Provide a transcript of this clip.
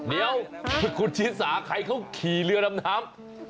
เดี๋ยวคุณชีสาใครเขาขี่เรือดำน้ำ